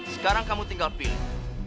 sekarang kamu tinggal pilih